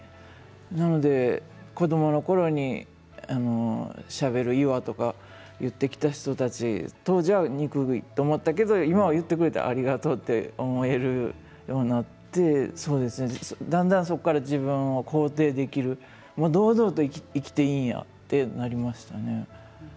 なぜ子どものころにしゃべる岩とか言ってきた人たち当時は、憎いと思ったけど今は言ってくれてありがとうと思えるようになってだんだん、そこから自分を肯定できる堂々と生きていいやというふうになりましたね。